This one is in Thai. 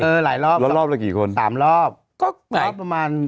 เออหลายรอบสามรอบรอบประมาณ